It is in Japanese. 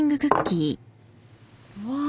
うわ。